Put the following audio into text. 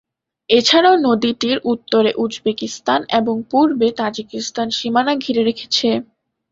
এছাড়াও নদীটির উত্তরে উজবেকিস্তান এবং পূর্বে তাজিকিস্তান সীমানা ঘিরে রেখেছে।